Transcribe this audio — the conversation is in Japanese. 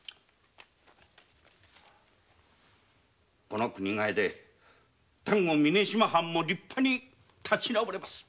この国替えで丹後峯島藩も立派に立ち直れます。